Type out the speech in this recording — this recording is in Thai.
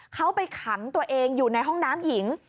เขาไปขังตัวเองอยู่ในห้องน้ำหญิง